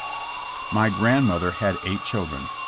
My grandmother had eight children.